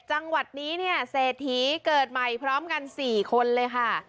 จังหวัดนี้เนี่ยเศรษฐีเกิดใหม่พร้อมกัน๔คนเลยค่ะ